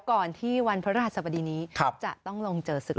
ก่อนที่วันพระราชสบดีนี้จะต้องลงเจอศึก